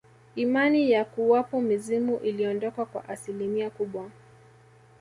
Imani ya kuwapo mizimu iliondoka kwa asilimia kubwa